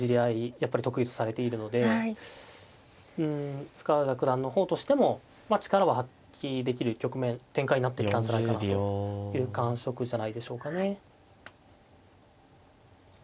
やっぱり得意とされているのでうん深浦九段の方としても力は発揮できる局面展開になってきたんじゃないかなという感触じゃないでしょうかね。